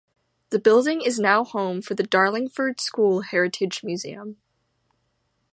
The building is now home for the Darlingford School Heritage Museum.